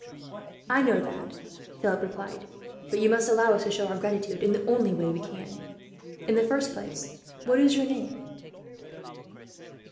"I know that," Philip replied; "but you must allow us to show our gratitude, in the only way we can. In the first place, what is your name?"